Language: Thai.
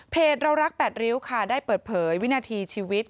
เรารัก๘ริ้วค่ะได้เปิดเผยวินาทีชีวิต